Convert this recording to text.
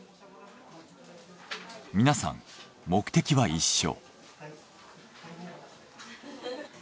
皆さん目的は一緒。